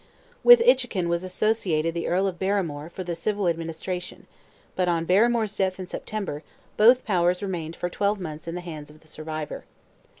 With Inchiquin was associated the Earl of Barrymore for the civil administration, but on Barrymore's death in September both powers remained for twelve months in the hands of the survivor.